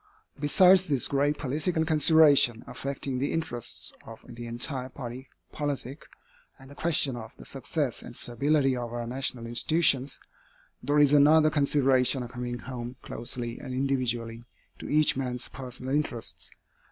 Besides this grave political consideration, affecting the interests of the entire body politic, and the question of the success and stability of our national institutions, there is another consideration coming home closely and individually to each man's personal interests.